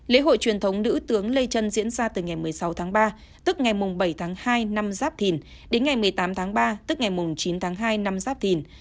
lễ hội truyền thống nữ tướng lê trân diễn ra từ ngày một mươi sáu tháng ba tức ngày bảy tháng hai năm giáp thìn đến ngày một mươi tám tháng ba tức ngày chín tháng hai năm giáp thìn